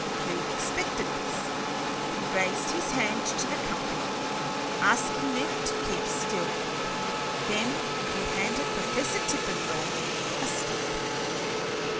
Clewe expected this. He raised his hand to the company, asking them to keep still; then he handed Professor Tippengray a stick.